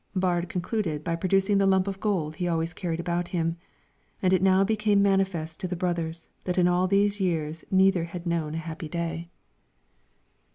Baard concluded by producing the lump of gold he always carried about him, and it now became manifest to the brothers that in all these years neither had known a happy day.